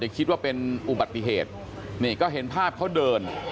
คิดว่าเป็นอุบัติเหตุนี่ก็เห็นภาพเขาเดิน